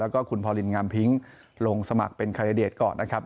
แล้วก็คุณพอลินงามพิ้งลงสมัครเป็นคารเดชก่อนนะครับ